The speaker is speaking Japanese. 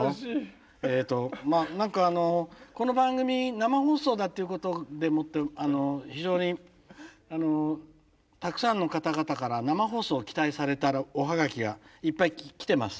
えっとまあ何かあのこの番組生放送だっていうことでもって非常にたくさんの方々から生放送を期待されたおハガキがいっぱい来てます。